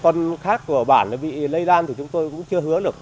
con khác của bản bị lây lan thì chúng tôi cũng chưa hứa được